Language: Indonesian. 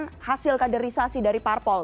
kemudian hasil kaderisasi dari parpol